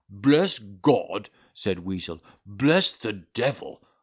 "Bless God," said Weazel, "bless the devil!